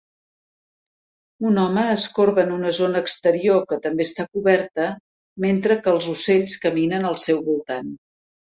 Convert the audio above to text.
Un home es corba en una zona exterior que també està coberta mentre que els ocells caminen al seu voltant